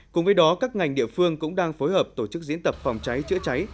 cùng với đó các ngành địa phương cũng đang phối hợp tổ chức diễn tập phòng cháy chữa cháy